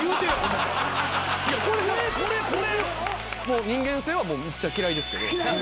もう人間性はめっちゃ嫌いですけど。